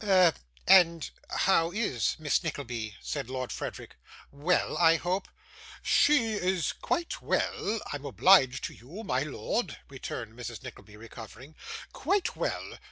'A and how is Miss Nickleby?' said Lord Frederick. 'Well, I hope?' 'She is quite well, I'm obliged to you, my lord,' returned Mrs. Nickleby, recovering. 'Quite well.